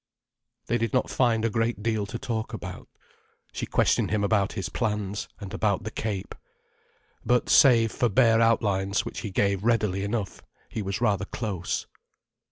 They did not find a great deal to talk about. She questioned him about his plans, and about the Cape. But save for bare outlines, which he gave readily enough, he was rather close.